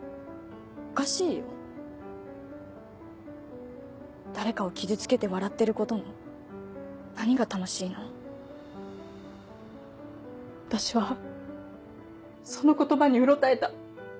おかしいよ誰かを傷つけて笑ってることの何が楽しい私はその言葉にうろたえた。